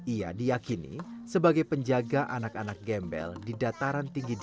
ia diyakini sebagai penjaga anak anak gembel di dataran tinggi di